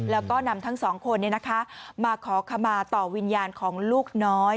แล้วก็นำทั้งสองคนมาขอขมาต่อวิญญาณของลูกน้อย